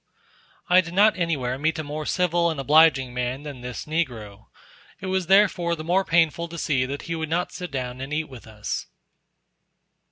I did not anywhere meet a more civil and obliging man than this negro; it was therefore the more painful to see that he would not sit down and eat with us.